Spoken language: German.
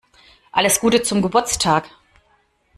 Alles Gute zum Geburtstag!